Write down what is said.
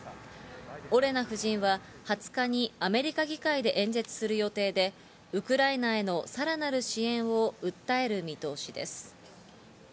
オレナ夫人は２０日にアメリカ議会で演説する予定で、ウクライナへのさらなる支援を訴える見通しです。